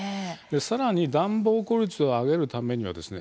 更に暖房効率を上げるためにはですね